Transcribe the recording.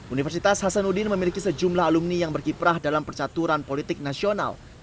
universitas hasanuddin memiliki sejumlah alumni yang berkiprah dalam percaturan politik nasional